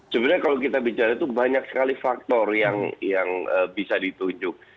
sebenarnya kalau kita bicara itu banyak sekali faktor yang bisa ditunjuk